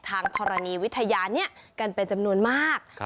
ทางธรณีวิทยานี้กันเป็นจำนวนมาก